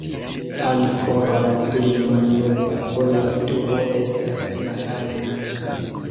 Ankoraŭ pli malnova ol la turo estas la halo.